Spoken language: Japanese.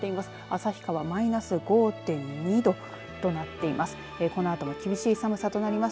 旭川マイナス５．２度となっています。